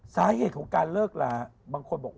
สาเหตุของการเลิกลาบางคนบอก